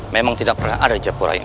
memang tidak pernah ada di japura ini